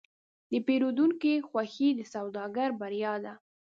د پیرودونکي خوښي د سوداګر بریا ده.